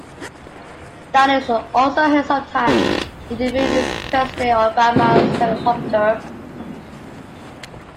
Dano is also heard sometimes interviewing President Obama's teleprompter.